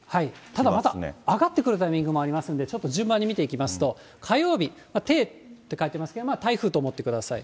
ただ上がってくるタイミングもありますので、ちょっと順番に見ていきますと、火曜日、低って書いてありますが、台風と思ってください。